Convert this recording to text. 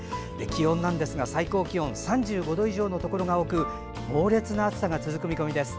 気温ですが、最高気温３５度以上のところが多く猛烈な暑さが続く見込みです。